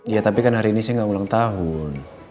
ya tapi kan hari ini sih gak ulang tahun